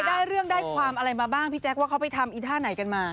ได้เรื่องได้ความอะไรมาบ้างพี่แจ๊คว่าเขาไปทำอีท่าไหนกันมา